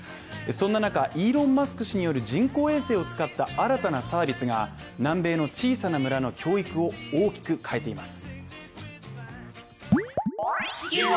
そんな中、イーロン・マスク氏による人工衛星を使った新たなサービスが南米の小さな村の教育を大きく変えています。